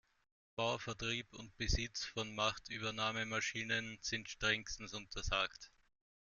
Bau, Vertrieb und Besitz von Machtübernahmemaschinen sind strengstens untersagt.